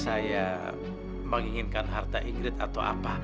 saya ingin menginginkan harta ingrid atau apa